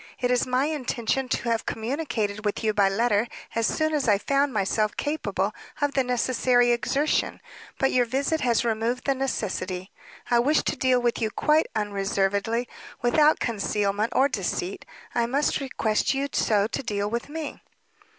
It was my intention to have communicated with you by letter as soon as I found myself capable of the necessary exertion, but your visit has removed the necessity. I wish to deal with you quite unreservedly, without concealment, or deceit; I must request you so to deal with me."